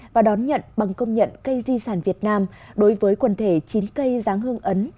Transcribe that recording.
và đón nhận bằng công nhận cây di sản việt nam đối với quần thể chín cây giáng hương ấn